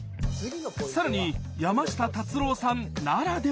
更に山下達郎さんならではの特徴が！